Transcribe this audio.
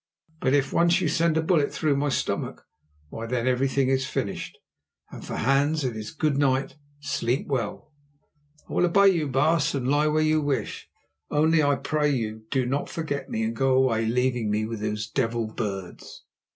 But if once you send a bullet through my stomach—why, then everything is finished, and for Hans it is 'Good night, sleep well.' I will obey you, baas, and lie where you wish, only, I pray you, do not forget me and go away, leaving me with those devil birds."